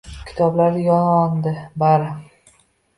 Kitoblari yondi bari